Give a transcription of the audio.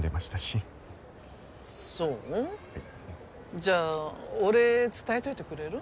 じゃあお礼伝えといてくれる？